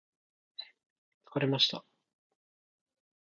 疲れました